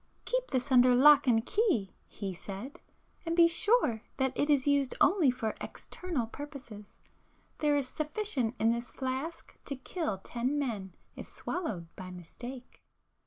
'Keep this under lock and key,' he said, 'and be sure that it is used only for external purposes. There is sufficient in this flask to kill ten men, if swallowed by mistake.